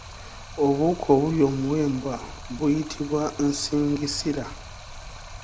Obuwuka obulya omuwemba buyitibwa nsingisira.